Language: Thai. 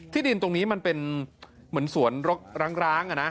ที่ดินตรงนี้มันเป็นเหมือนสวนร้องนะ